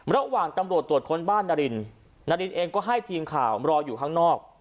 ระหว่างตำรวจตรวจค้นบ้านนารินนารินเองก็ให้ทีมข่าวรออยู่ข้างนอก